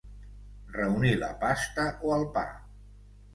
Reunir la pasta o el pa.